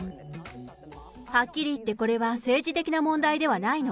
はっきり言って、これは政治的な問題ではないの。